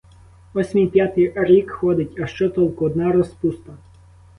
Ось мій п'ятий рік ходить, а що толку, одна розпуста.